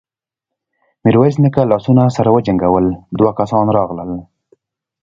ميرويس نيکه لاسونه سره وجنګول، دوه کسان راغلل.